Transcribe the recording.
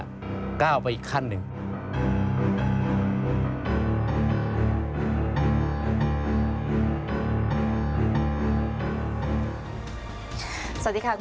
อันดับที่สุดท้าย